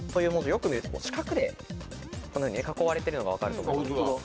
よく見ると四角でこのように囲われているのが分かると思うんですけど。